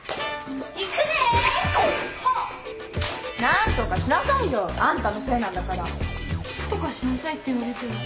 何とかしなさいよあんたのせいなんだから。何とかしなさいって言われても。